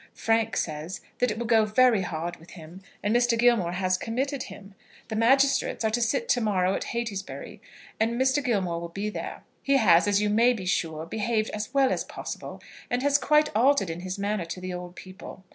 Frank says that it will go very hard with him, and Mr. Gilmore has committed him. The magistrates are to sit to morrow at Heytesbury, and Mr. Gilmore will be there. He has, as you may be sure, behaved as well as possible, and has quite altered in his manner to the old people.